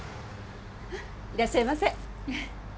いらっしゃいませ。